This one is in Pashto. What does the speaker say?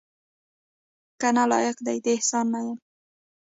کنه لایق دې د احسان نه یمه